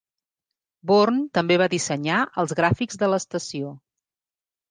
Born també va dissenyar els gràfics de l'estació.